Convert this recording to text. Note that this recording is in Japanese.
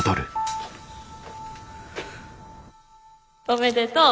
おめでとう！